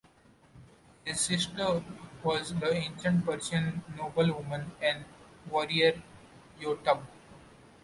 His sister was the ancient Persian noblewoman and warrior Youtab.